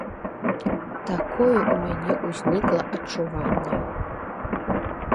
Такое ў мяне ўзнікла адчуванне.